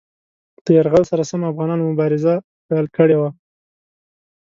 له یرغل سره سم افغانانو مبارزه پیل کړې وه.